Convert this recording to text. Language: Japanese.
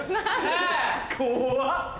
怖っ！